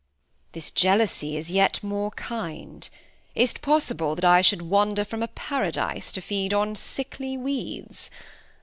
Bast. This Jealousy is yet more kind, is't possible That I should wander from a Paradise To feed on sickly Weeds